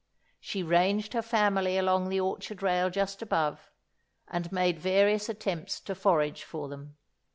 She ranged her family along the orchard rail just above, and made various attempts to forage for them.